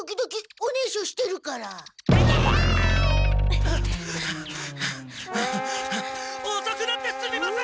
おそくなってすみません！